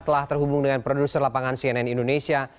telah terhubung dengan produser lapangan cnn indonesia